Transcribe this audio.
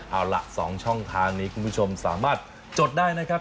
เอาล่ะ๒ช่องทางนี้คุณผู้ชมสามารถจดได้นะครับ